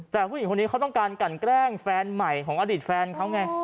แต่ผู้หญิงคนนี้เขาต้องการกันแกล้งแฟนใหม่ของอดีตแฟนเขาไง